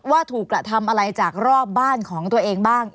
ว่าถูกกระทำอะไรจากรอบบ้านของตัวเองบ้าง